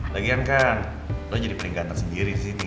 lagian kan lu jadi peringkatan sendiri disini